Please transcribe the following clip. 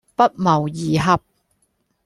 不謀而合